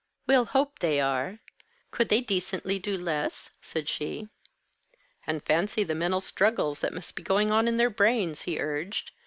"We'll hope they are. Could they decently do less?" said she. "And fancy the mental struggles that must be going on in their brains," he urged.